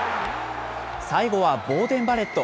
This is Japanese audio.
最後はボーデン・バレット。